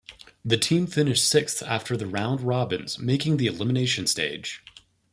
The team finished sixth after the round robins, making the elimination stage.